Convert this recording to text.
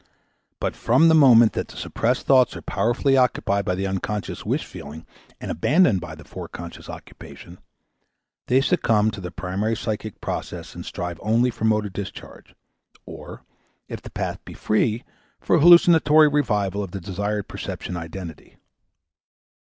But from the moment that the suppressed thoughts are powerfully occupied by the unconscious wish feeling and abandoned by the foreconscious occupation, they succumb to the primary psychic process and strive only for motor discharge; or, if the path be free, for hallucinatory revival of the desired perception identity.